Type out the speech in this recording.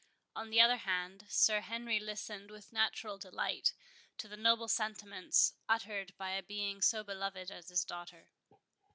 On the other hand, Sir Henry listened with natural delight to the noble sentiments uttered by a being so beloved as his daughter.